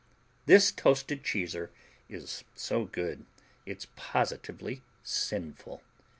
This toasted cheeser is so good it's positively sinful.